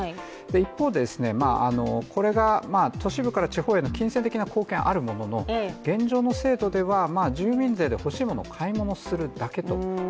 一方、これが都市部から地方への金銭的な貢献はあるものの、現状の制度では住民税で欲しいものを買い物するだけと。